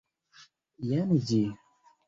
Jen ĝi!